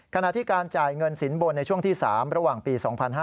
ขณะที่การจ่ายเงินสินบนในช่วงที่๓ระหว่างปี๒๕๕๙